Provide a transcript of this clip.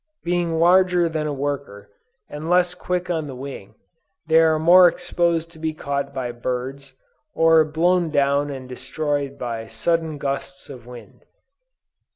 Being larger than a worker, and less quick on the wing, they are more exposed to be caught by birds, or blown down and destroyed by sudden gusts of wind.